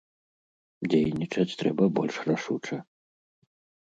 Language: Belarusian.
Дзейнічаць трэба больш рашуча.